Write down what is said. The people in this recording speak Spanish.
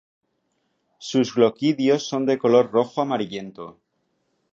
Sus gloquidios son de color rojo amarillento.